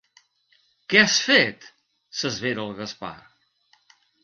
Què has fet? —s'esvera el Gaspar.